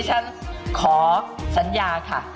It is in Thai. ฉันขอสัญญาค่ะ